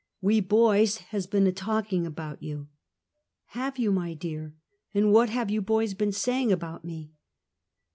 " We boys has been a talkin' about you!" " Have you, my dear — and what have you boys been saying about me?"